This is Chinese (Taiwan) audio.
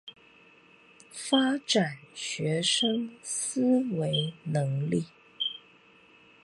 發展學生思維能力